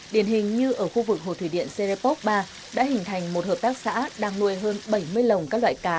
điển hình như ở khu vực hồ thủy điện serepok ba đã hình thành một hợp tác xã đang nuôi hơn bảy mươi lồng các loại cá